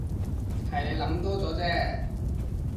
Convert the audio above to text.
係你諗多咗啫